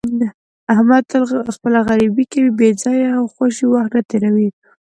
احمد تل خپله غریبي کوي، بې ځایه او خوشې وخت نه تېروي.